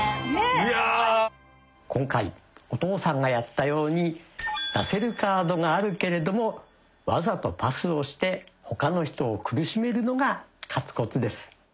今回お父さんがやったように出せるカードがあるけれどもわざとパスをして他の人を苦しめるのが勝つコツです。